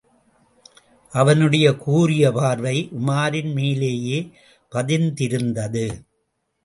அவனுடைய கூரிய பார்வை உமாரின் மேலேயே பதிந்திருந்தது.